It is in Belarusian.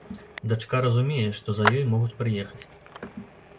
Дачка разумее, што за ёй могуць прыехаць.